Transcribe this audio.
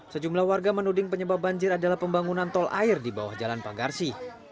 sejumlah warga menuding penyebab banjir adalah pembangunan tol air di bawah jalan pagarsi